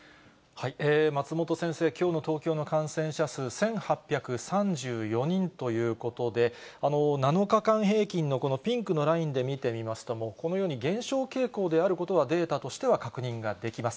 松本先生、きょうの東京の感染者数１８３４人ということで、７日間平均のこのピンクのラインで見てみますと、このように減少傾向であることは、データとしては確認ができます。